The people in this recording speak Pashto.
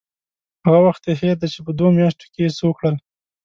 هغه وخت یې هېر دی چې په دوو میاشتو کې یې څه وکړل.